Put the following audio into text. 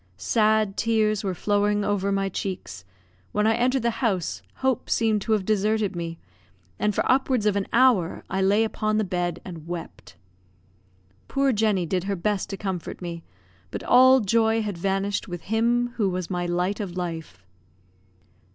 Sad tears were flowing over my cheeks; when I entered the house, hope seemed to have deserted me, and for upwards of an hour I lay upon the bed and wept. Poor Jenny did her best to comfort me, but all joy had vanished with him who was my light of life.